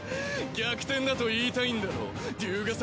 逆転だと言いたいんだろ竜ヶ崎